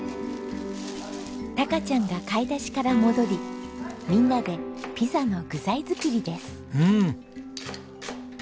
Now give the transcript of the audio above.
孝ちゃんが買い出しから戻りみんなでピザの具材作りです。